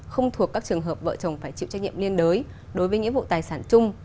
không thuộc các trường hợp vợ chồng phải chịu trách nhiệm liên đới đối với nghĩa vụ tài sản chung